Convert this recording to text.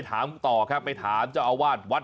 นา้อยเราก็ไปถามต่อนะครับ